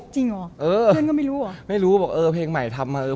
จริงเหรอเออเพื่อนก็ไม่รู้เหรอไม่รู้บอกเออเพลงใหม่ทำมาเออ